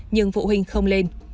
nhưng phụ huynh không lên